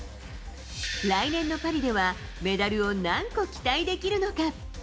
来年のパリでは、メダルを何個期待できるのか。